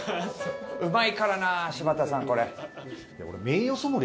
うまいからな柴田さんこれ。